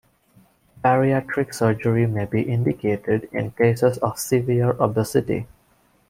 Bariatric surgery may be indicated in cases of severe obesity.